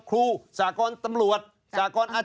ชีวิตกระมวลวิสิทธิ์สุภาณฑ์